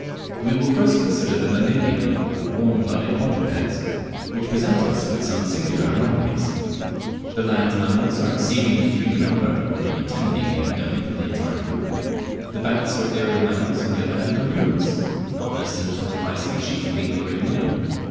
We will first consider the Mammalia or warm blooded quadrupeds, which present us with some singular anomalies. The land mammals are exceedingly few in number, only ten being yet known from the entire group. The bats or aerial mammals, on the other hand, are numerous not less than twenty five species being already known.